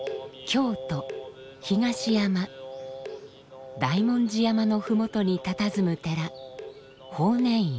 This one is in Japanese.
京都・東山大文字山の麓にたたずむ寺法然院。